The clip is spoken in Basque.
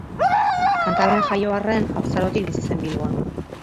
Kantabrian jaio arren, haurtzarotik bizi zen Bilbon.